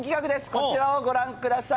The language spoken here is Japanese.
こちらをご覧ください。